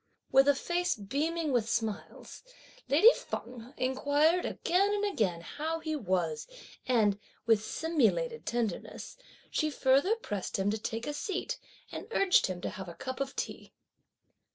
With a face beaming with smiles, Lady Feng inquired again and again how he was; and, with simulated tenderness she further pressed him to take a seat and urged him to have a cup of tea.